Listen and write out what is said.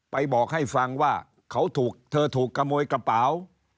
บอกให้ฟังว่าเขาถูกเธอถูกขโมยกระเป๋า